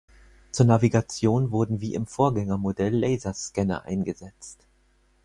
Zur Navigation wurden wie im Vorgängermodell Laserscanner eingesetzt.